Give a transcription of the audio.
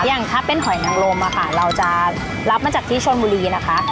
อย่างถ้าเป็นหอยนังลมค่ะเราจะรับมาจากที่ชนบุรีนะคะ